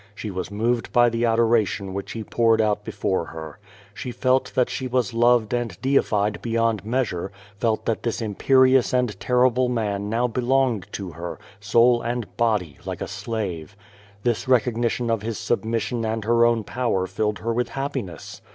She was moved by the adoration which he poureil out liefore her. She felt that she was loved and deified beyond measure^ felt tliat this 216 Q^O VADIS. imperious and terrible man now belonged to her, soul and body, like a slave. This recognition of his submission and her own power filled her with happiness.